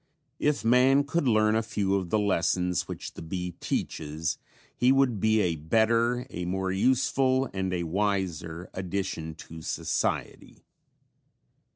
If man could learn a few of the lessons which the bee teaches, he would be a better, a more useful and a wiser addition to society.